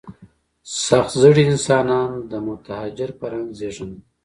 سخت زړي انسانان د متحجر فرهنګ زېږنده دي.